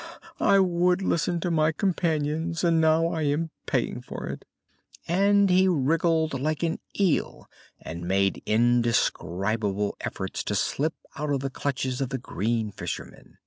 I would listen to my companions and now I am paying for it." And he wriggled like an eel and made indescribable efforts to slip out of the clutches of the green fisherman.